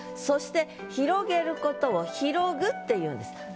そして広げることを「広ぐ」っていうんです。